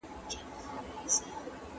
ښاریان په رفاه او آسایش کي ژوند کوي.